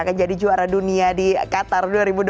akan jadi juara dunia di qatar